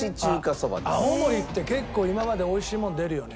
青森って結構今まで美味しいもの出るよね。